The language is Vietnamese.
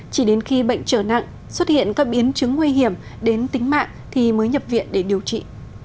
chỉ đến khi bệnh trở nặng xuất hiện các biến chứng nguy hiểm đến tính mạng thì mới nhập viện để điều trị